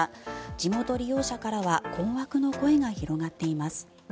地元利用者からは困惑の声が広がっています。